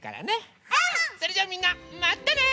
それじゃあみんなまたね！